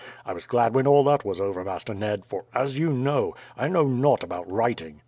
I was glad when all that was over, Master Ned; for, as you know, I know nought about writing.